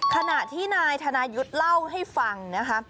ขณะที่นายธนายุทธ์เล่าให้ฟังนะคะ